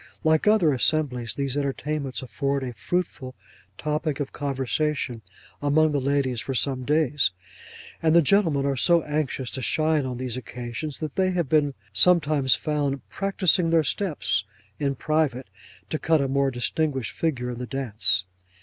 Like other assemblies, these entertainments afford a fruitful topic of conversation among the ladies for some days; and the gentlemen are so anxious to shine on these occasions, that they have been sometimes found 'practising their steps' in private, to cut a more distinguished figure in the dance.